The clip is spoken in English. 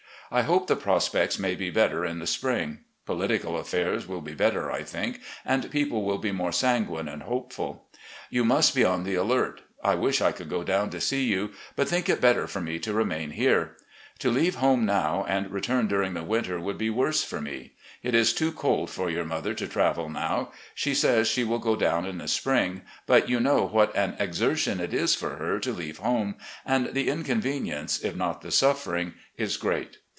I hope the prospects may be better in the spring. Political affairs will be better, I think, and people will be more sanguine and hopeful. You must be on the alert. I wish I could go down to see you, but think it better for me to remain here. To leave home now and return during the winter would be worse for me. It is too cold for your mother to travel now. She says she will go down in the spring, but you know what an exer tion it is for her to leave home, and the inconvenience, if not the suffering, is great.